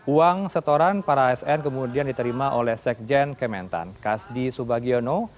uang setoran para asn kemudian diterima oleh sekjen kementan kasdi subagiono